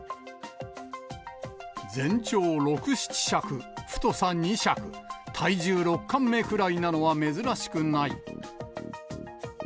全長六、七尺、太さ二尺、体重六貫目くらいなのは珍しくない。